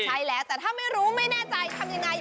ใช่แล้วแต่ถ้าไม่รู้ไม่แน่ใจทำยังไง